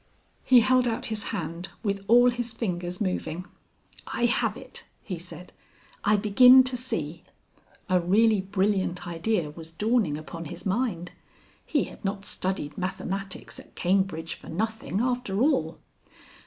He held out his hand with all his fingers moving. "I have it!" he said. "I begin to see." A really brilliant idea was dawning upon his mind. He had not studied mathematics at Cambridge for nothing, after all.